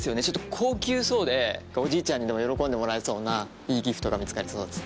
高級そうでおじいちゃんにも喜んでもらえそうないいギフトが見つかりそうです。